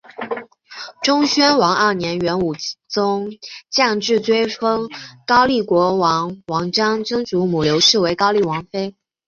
忠宣王二年元武宗降制追封高丽国王王璋曾祖母柳氏为高丽王妃。